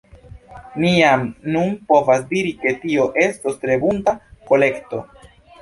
Ni jam nun povas diri ke tio estos tre bunta kolekto.